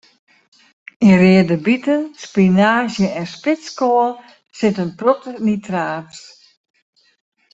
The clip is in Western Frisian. Yn reade biten, spinaazje en spitskoal sit in protte nitraat.